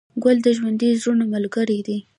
ګل د ژوندي زړونو ملګری دی.